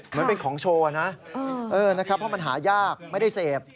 เหมือนเป็นของโชว์นะนะครับเพราะมันหายากไม่ได้เสพ